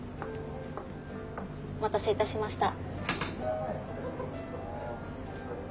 お待たせいたしました。